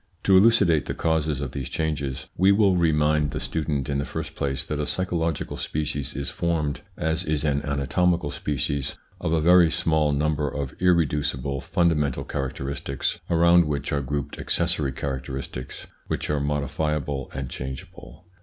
To elucidate the causes of these changes, we will remind the student in the first place that a psycho logical species is formed, as is an anatomical species, of a very small number of irreducible, fundamental characteristics around which are grouped accessory characteristics which are modifiable and changeable.